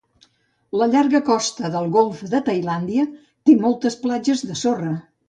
La llarga costa del golf de Tailàndia té moltes platges de sorra.